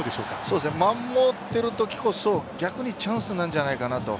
守っているときこそチャンスなんじゃないかと。